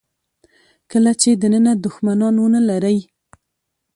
کله چې دننه دوښمنان ونه لرئ.